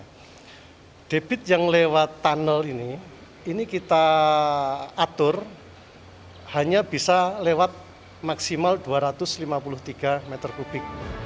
nah debit yang lewat tunnel ini ini kita atur hanya bisa lewat maksimal dua ratus lima puluh tiga meter kubik